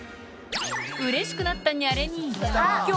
うれしくなったニャレ兄